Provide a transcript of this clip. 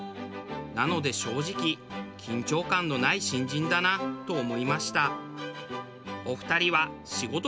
なので正直緊張感のない新人だなと思いました。